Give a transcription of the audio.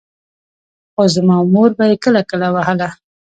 خو زما مور به يې کله کله وهله.